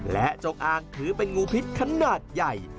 และจงอางถือเป็นงูพิษขนาดใหญ่